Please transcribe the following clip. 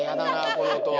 この音は。